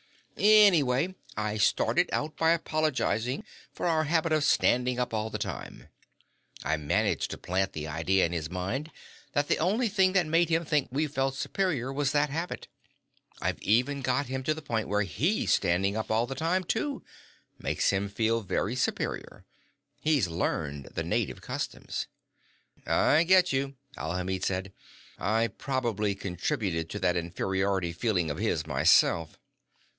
"Anyway, I started out by apologizing for our habit of standing up all the time. I managed to plant the idea in his mind that the only thing that made him think we felt superior was that habit. I've even got him to the point where he's standing up all the time, too. Makes him feel very superior. He's learned the native customs." "I get you," Alhamid said. "I probably contributed to that inferiority feeling of his myself."